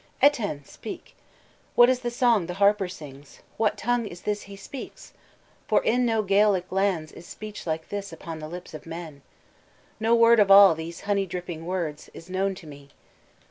"Etain, speak! What is the song the harper sings, what tongue Is this he speaks? for in no Gaelic lands Is speech like this upon the lips of men. No word of all these honey dripping words Is known to me.